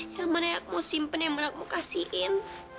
yang mana yang aku mau simpen yang mana yang aku mau kasihin